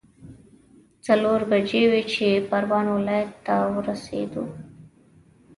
څلور بجې وې چې پروان ولايت ته ورسېدو.